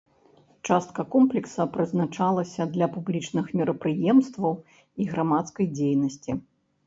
Частка комплекса прызначалася для публічных мерапрыемстваў і грамадскай дзейнасці.